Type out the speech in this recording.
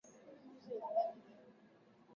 Ndio maana wanawake wameanza kutafuta namna nyingine